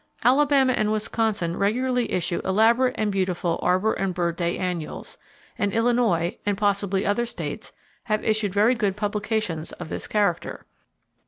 Alabama and Wisconsin regularly issue elaborate and beautiful Arbor and Bird Day annuals; and Illinois, and possibly other states, have issued very good publications of this character.